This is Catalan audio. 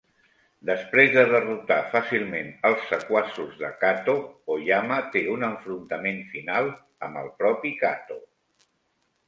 Després de derrotar fàcilment els sequaços de Kato, Oyama té un enfrontament final amb el propi Kato.